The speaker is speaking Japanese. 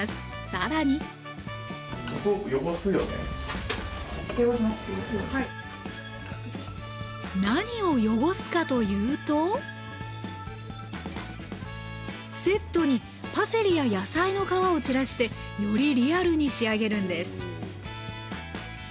更に何を汚すかというとセットにパセリや野菜の皮を散らしてよりリアルに仕上げるんです